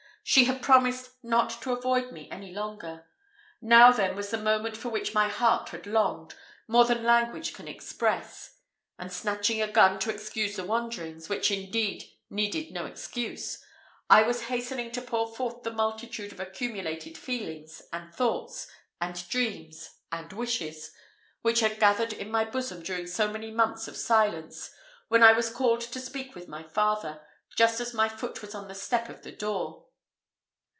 She had promised not to avoid me any longer. Now then was the moment for which my heart had longed, more than language can express; and snatching a gun to excuse the wanderings, which indeed needed no excuse, I was hastening to pour forth the multitude of accumulated feelings, and thoughts, and dreams, and wishes, which had gathered in my bosom during so many months of silence, when I was called to speak with my father, just as my foot was on the step of the door.